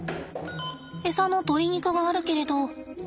エサの鶏肉があるけれど。